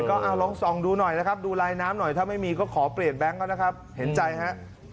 ก็ลองส่องดูหน่อยนะครับดูลายน้ำหน่อยถ้าไม่มีก็ขอเปลี่ยนแบงค์เขานะครับเห็นใจฮะ